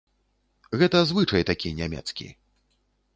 Гэта звычай такі нямецкі.